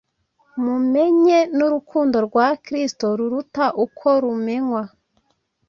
mumenye n’urukundo rwa Kristo ruruta uko rumenywa,